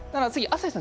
朝日さん